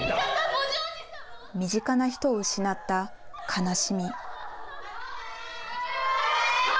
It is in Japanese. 身近な人を失った悲しみ。